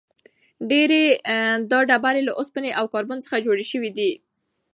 ډېری دا ډبرې له اوسپنې او کاربن څخه جوړې شوې وي.